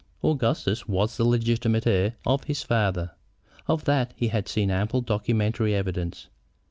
Augustus was the legitimate heir of his father. Of that he had seen ample documentary evidence.